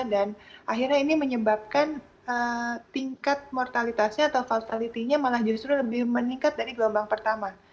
dan akhirnya ini menyebabkan tingkat mortalitasnya atau fatality nya malah justru lebih meningkat dari gelombang pertama